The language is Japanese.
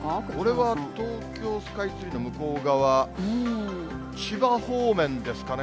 これは東京スカイツリーの向こう側、千葉方面ですかね。